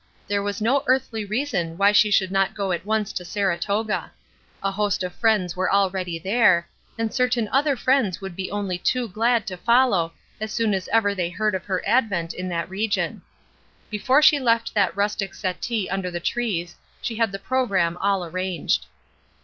There was no earthly reason why she should not go at once to Saratoga. A host of friends were already there, and certain other friends would be only too glad to follow as soon as ever they heard of her advent in that region. Before she left that rustic settee under the trees she had the programme all arranged.